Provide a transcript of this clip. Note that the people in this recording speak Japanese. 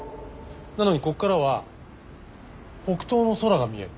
なのにここからは北東の空が見える。